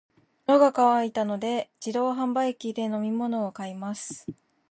喉が渇いたので、自動販売機で飲み物を買います。